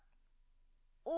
お。